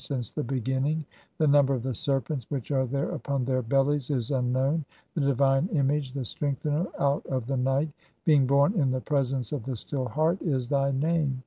since the beginning ; the number of the serpents "which are there upon their bellies is unknown ; the divine "image, the strengthener (23) out of the night, being born in "the presence of the Still Heart', is thy name.